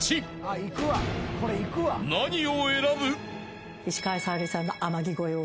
［何を選ぶ？］